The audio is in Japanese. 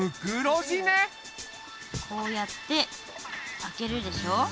こうやって開けるでしょ。